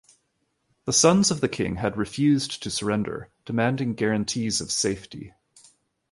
The sons of the king had refused to surrender, demanding guarantees of safety.